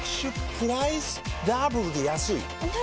プライスダブルで安いＮｏ！